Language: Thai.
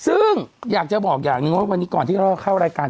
ซึ่งอยากจะบอกอย่างหนึ่งว่าวันนี้ก่อนที่เราเข้ารายการ